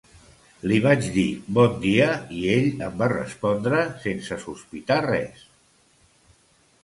Li vaig dir "Bon dia" i ell em va respondre sense sospitar res.